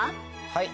はい。